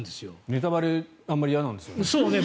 ネタバレあんまり嫌なんじゃ。